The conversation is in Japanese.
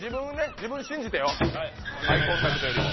自分信じてよ、アイコンタクトよりも。